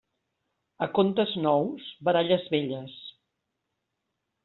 A contes nous, baralles velles.